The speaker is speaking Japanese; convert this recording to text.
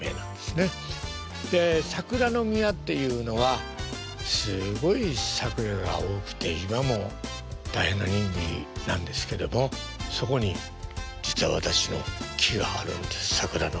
で桜の宮っていうのはすごい桜が多くて今も大変な人気なんですけどもそこに実は私の木があるんです桜の。